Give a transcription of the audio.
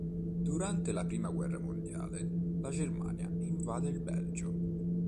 Durante la prima guerra mondiale, la Germania invade il Belgio.